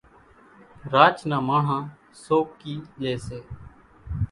راچ نان ماڻۿان سوڪِي ڄيَ سي۔